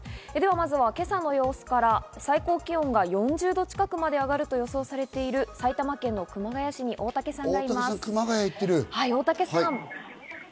まずは今朝の様子から最高気温が４０度近くまで上がると予想されている埼玉県の熊谷市に大竹リポーターがいます、大竹さん。